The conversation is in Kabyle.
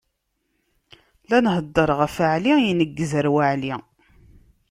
La nheddeṛ ɣef Ɛli ineggez ar Waɛli.